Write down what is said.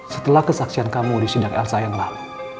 setelah kesaksian kamu disidang elsa yang lalu